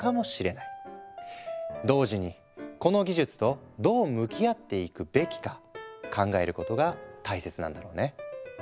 同時にこの技術とどう向き合っていくべきか考えることが大切なんだろうね。